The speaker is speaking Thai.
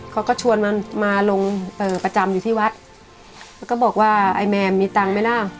เขาก็ชวนมันมาลงเอ่อประจำอยู่ที่วัดแล้วก็บอกว่าไอ้แมมมีตังค์ไหมล่ะ